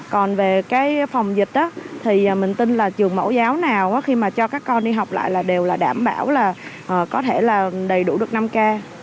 còn về cái phòng dịch thì mình tin là trường mẫu giáo nào khi mà cho các con đi học lại là đều là đảm bảo là có thể là đầy đủ được năm k